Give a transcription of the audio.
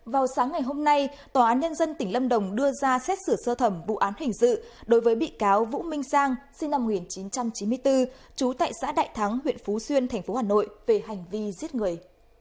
vào sáng ngày hôm nay tòa án nhân dân tỉnh lâm đồng đưa ra xét xử sơ thẩm vụ án hình sự đối với bị cáo vũ minh sang sinh năm một nghìn chín trăm chín mươi bốn trú tại xã đại thắng huyện phú xuyên tp hà nội về hành vi giết người